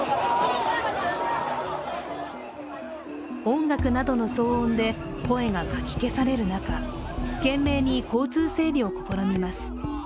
音楽などの騒音で声がかき消される中、懸命に交通整理を試みます。